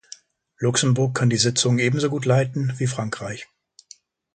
Luxemburg kann die Sitzungen ebenso gut leiten wie Frankreich.